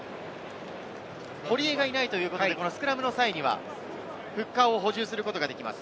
堀江がいないということで、スクラムの際にはフッカーを補充することができます。